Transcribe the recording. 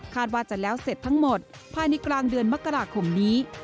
ว่าจะแล้วเสร็จทั้งหมดภายในกลางเดือนมกราคมนี้